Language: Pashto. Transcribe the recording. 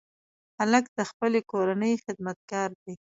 هلک د خپلې کورنۍ خدمتګار دی.